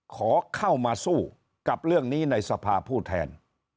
ขอเข้ามาสู้กับเรื่องนี้ในสภาผู้แทน